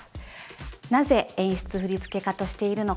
なぜ演出振付家としているのか。